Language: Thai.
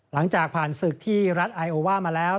หลังจากผ่านศึกที่รัฐไอโอว่ามาแล้ว